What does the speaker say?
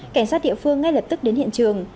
cảnh sát địa phương ngay lập tức đến hiện trường